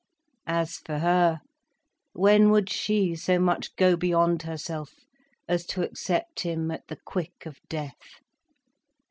As for her, when would she so much go beyond herself as to accept him at the quick of death?